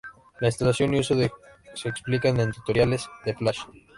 La instalación y uso se explican en tutoriales de Flash.